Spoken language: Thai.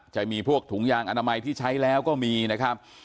จะมีพวกถุงยางอนามัยที่ใช้แล้วก็มีนะครับ